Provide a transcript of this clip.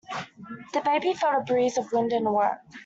The baby felt a breeze of wind and awoke.